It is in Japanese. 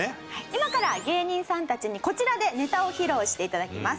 今から芸人さんたちにこちらでネタを披露して頂きます。